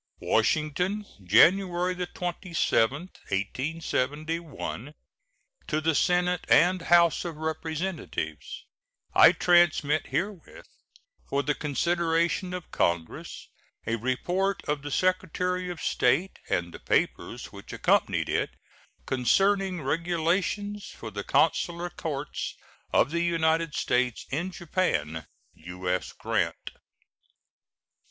U.S. GRANT. WASHINGTON, January 27, 1871. To the Senate and House of Representatives: I transmit herewith, for the consideration of Congress, a report of the Secretary of State and the papers which accompanied it, concerning regulations for the consular courts of the United States in Japan. U.S. GRANT.